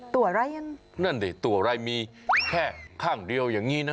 ตัวอะไรยังนั่นดิตัวอะไรมีแค่ข้างเดียวอย่างนี้นะ